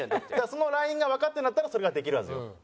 そのラインがわかってるんだったらそれができるはず。